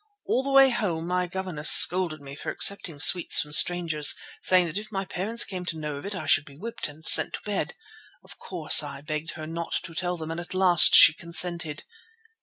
All the way home my governess scolded me for accepting sweets from strangers, saying that if my parents came to know of it, I should be whipped and sent to bed. Of course, I begged her not to tell them, and at last she consented.